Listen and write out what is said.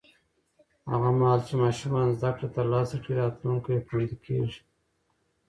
هغه مهال چې ماشومان زده کړه ترلاسه کړي، راتلونکی خوندي کېږي.